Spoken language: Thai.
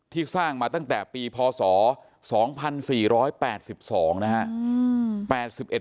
ที่สร้างมาตั้งแต่ปีพศ๒๔๘๒นะครับ